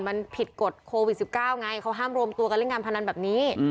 มันผิดกฎโควิด๑๙ไงเขาห้ามรวมตัวกันเล่นการพนันแบบนี้